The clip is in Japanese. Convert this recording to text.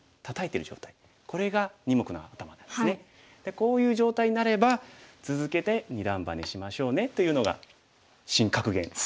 こういう状態になれば続けて二段バネしましょうねというのが新格言です。